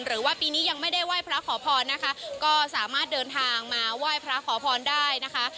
หรือว่าปีนี้ยังไม่ได้ไหว้พระขอพรนะคะก็สามารถเดินทางมาไหว้พระขอพรได้นะคะ